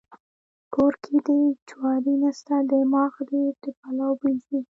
کور کې دې جواري نسته د دماغه دې د پلو بوی ځي.